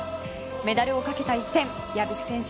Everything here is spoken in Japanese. メダルをかけた一戦屋比久選手